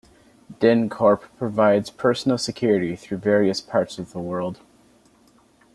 DynCorp provides personal security throughout various parts of the world.